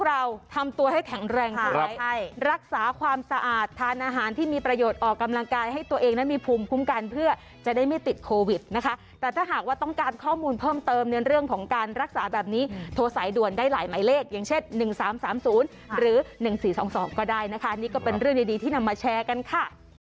อาหารที่มีประโยชน์ออกกำลังกายให้ตัวเองมีภูมิคุ้มกันเพื่อจะได้ไม่ติดโควิดนะคะแต่ถ้าหากว่าต้องการข้อมูลเพิ่มเติมเรื่องของการรักษาแบบนี้โทรสายด่วนได้หลายหมายเลขอย่างเช่น๑๓๓๐หรือ๑๔๒๒ก็ได้นะคะนี่ก็เป็นเรื่องดีที่นำมาแชร์กันค่ะ